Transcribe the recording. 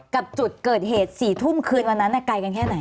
กับจุดเกิดเหตุ๔ทุ่มคืนวันนั้นไกลกันแค่ไหน